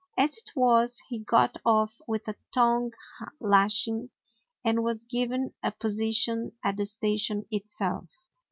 As it was he got off with a tongue lashing and was given a po sition at the station itself.